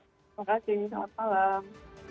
terima kasih selamat malam